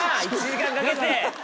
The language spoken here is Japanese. １時間かけて！